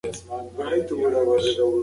مؤثره تګلاره د پوهې مینه پیاوړې کوي.